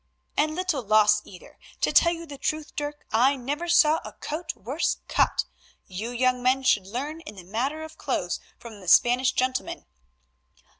"And little loss either; to tell you the truth, Dirk, I never saw a coat worse cut. You young men should learn in the matter of clothes from the Spanish gentlemen.